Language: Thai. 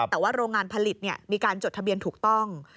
แต่ว่าโรงงานผลิตมีการจดทะเบียนถูกต้อง